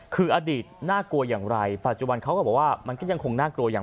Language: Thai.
คืออดีตน่ากลัวอย่างไรปัจจุบันเขาก็บอกว่ามันก็ยังคงน่ากลัวอย่าง